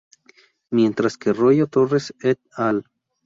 Mientras que Royo-Torres "et al.